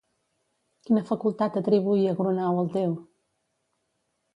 Quina facultat atribuïa Grunau al déu?